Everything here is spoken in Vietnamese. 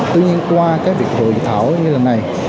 tuy nhiên qua cái việc hội thảo như lần này